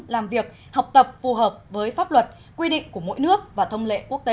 làm việc học tập phù hợp với pháp luật quy định của mỗi nước và thông lệ quốc tế